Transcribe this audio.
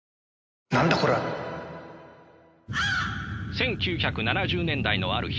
１９７０年代のある日